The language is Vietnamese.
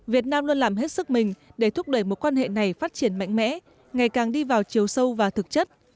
việt nam luôn làm hết sức mình để thúc đẩy mối quan hệ này phát triển mạnh mẽ ngày càng đi vào chiều sâu và thực chất